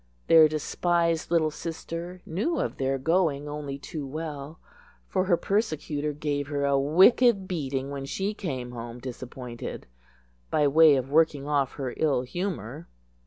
Their despised little sister knew of their going only too well, for her persecutor gave her a wicked beating when she came home disappointed, by way of working off her ill humour.